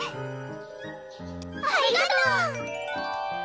ありがとう！